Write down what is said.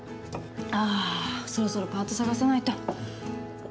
そろそろパート探さないと。